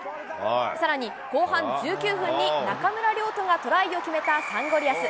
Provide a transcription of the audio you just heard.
さらに後半１９分に、中村亮土がトライを決めたサンゴリアス。